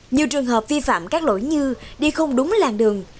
nhiều trường hợp vi phạm các lỗi như đi không đúng làng đường